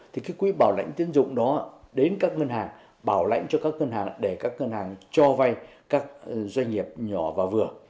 thì cái quỹ bảo lãnh tiến dụng đó đến các ngân hàng bảo lãnh cho các ngân hàng để các ngân hàng cho vay các doanh nghiệp nhỏ và vừa